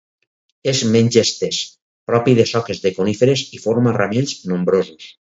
És menys estès, propi de soques de coníferes i forma ramells nombrosos.